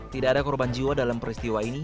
tidak ada korban jiwa dalam peristiwa ini